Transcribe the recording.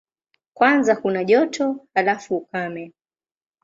Kwanza kuna joto, halafu ukame.